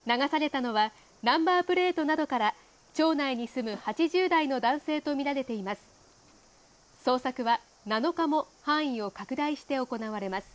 流されたのは、ナンバープレートなどから、町内に住む８０代の男性と見られています。